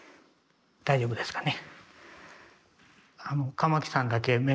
大丈夫ですかね。